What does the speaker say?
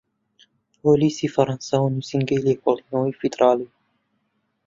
پۆلیسی فەرەنسا و نوسینگەی لێکۆڵینەوەی فیدراڵی